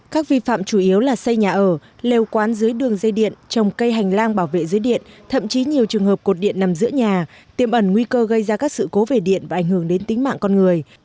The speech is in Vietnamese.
các vi phạm chủ yếu là xây nhà ở lều quán dưới đường dây điện trồng cây hành lang bảo vệ dưới điện thậm chí nhiều trường hợp cột điện nằm giữa nhà tiêm ẩn nguy cơ gây ra các sự cố về điện và ảnh hưởng đến tính mạng con người